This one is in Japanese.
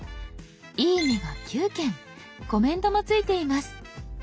「いいね」が９件コメントもついています。